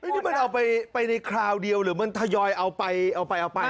นี่มันเอาไปในคราวเดียวหรือมันถยอยเอาไปเอาไปเอาไปเนี่ย